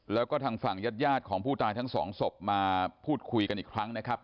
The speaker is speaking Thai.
แล้วก็ทางฝั่งญาติของผู้ตายทั้งสองศพมาพูดคุยกันอีกครั้งนะครับ